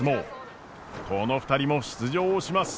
この２人も出場します！